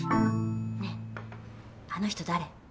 ねえあの人誰？